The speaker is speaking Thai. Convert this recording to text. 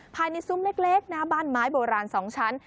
ภายในซุ่มเล็กน้าบ้านไม้โบราณสองชั้น